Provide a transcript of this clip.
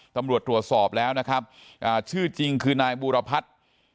ตำรวจตรวจสอบแล้วนะครับชื่อจริงคือนายบูรพัฒน์